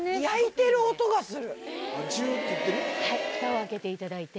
ふたを開けていただいて。